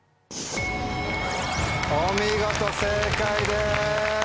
お見事正解です。